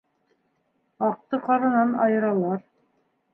Аҡты ҡаранан айыралар.